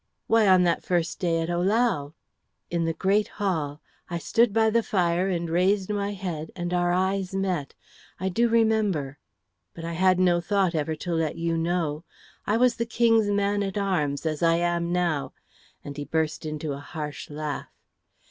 "Why, on that first day at Ohlau." "In the great hall. I stood by the fire and raised my head, and our eyes met. I do remember." "But I had no thought ever to let you know. I was the King's man at arms, as I am now;" and he burst into a harsh laugh.